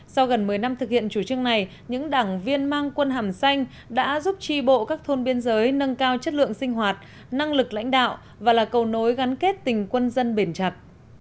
sau gần một mươi năm thực hiện chủ trương này những đảng viên mang quân hàm xanh đã giúp tri bộ các thôn biên giới nâng cao chất lượng sinh hoạt năng lực lãnh đạo và là cầu nối gắn kết tình quân dân bền chặt